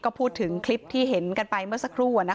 ก็พูดถึงคลิปที่เห็นกันไปเมื่อสักครู่